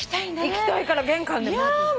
行きたいから玄関で待つ。